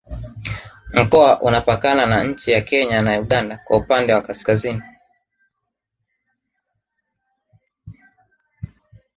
Mkoa unapakana na Nchi ya Kenya na Uganda kwa upande wa Kaskazini